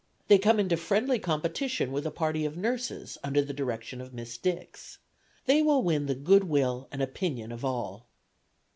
They come into friendly competition with a party of nurses under the direction of Miss Dix. They will win the good will and opinion of all."